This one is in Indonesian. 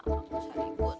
enggak usah ribut